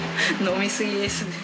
飲み過ぎですね。